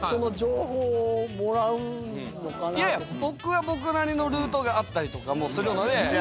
いやいや僕は僕なりのルートがあったりとかもするので。